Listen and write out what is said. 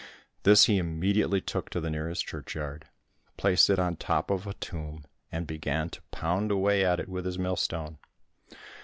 This he immediately took to the nearest churchyard, placed it on the top of a tomb, and began to pound away at it with his millstone.